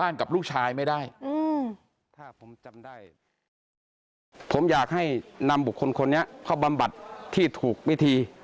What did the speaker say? นำบุคคลคนนี้เขาบำบัดที่ถูกวิธี